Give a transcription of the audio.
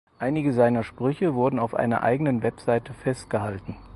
Einige seiner Sprüche wurden auf einer eigenen Webseite festgehalten.